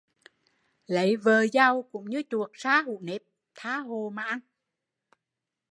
Lấy vợ giàu cũng như chuột sa hũ nếp, tha hồ mà ăn